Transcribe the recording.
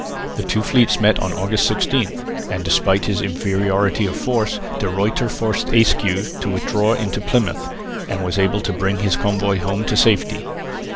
The two fleets met on August 16, and despite his inferiority of force De Ruyter forced Ayscue to withdraw into Plymouth, and was able to bring his convoy home to safety.